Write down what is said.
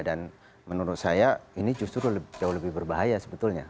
dan menurut saya ini justru jauh lebih berbahaya sebetulnya